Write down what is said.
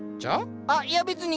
あっいや別に。